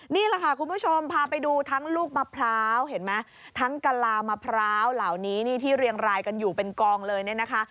นี่แหละค่ะคุณผู้ชมพาไปดูทั้งลูกมะพร้าวเห็นไหมทั้งกะลามะพร้าวเหล่านี้นี่ที่เรียงรายกันอยู่เป็นกองเลยเนี่ยนะคะ